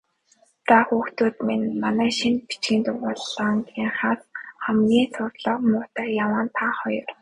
Заа, хүүхдүүд минь, манай шинэ бичгийн дугуйлангийнхнаас хамгийн сурлага муутай яваа нь та хоёр.